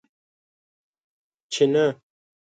چې نه!